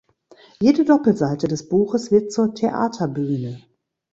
Jede Doppelseite des Buches wird zur Theaterbühne.